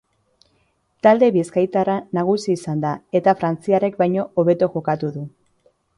Talde bizkaitarra nagusi izan da eta frantziarrek baino hobeto jokatu du.